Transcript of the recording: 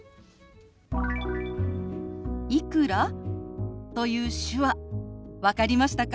「いくら？」という手話分かりましたか？